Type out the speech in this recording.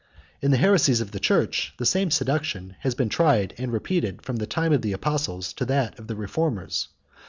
In the heresies of the church, the same seduction has been tried and repeated from the time of the apostles to that of the reformers.